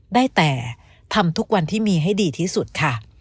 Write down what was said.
ได้แต่ทำทุกวันที่มีให้ดีที่สุดค่ะ